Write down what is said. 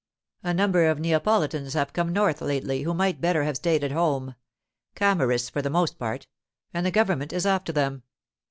A number of Neapolitans have come north lately who might better have stayed at home—Camorrists for the most part—and the government is after them.